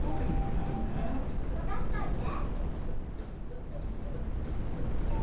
まかしといて！